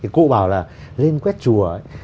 cô bảo là lên quét chùa